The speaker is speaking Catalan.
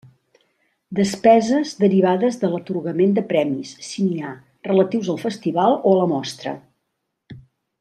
Despeses derivades de l'atorgament de premis, si n'hi ha, relatius al festival o a la mostra.